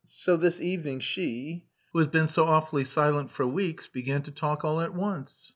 So this evening she who has been so awfully silent: for weeks began to talk all at once.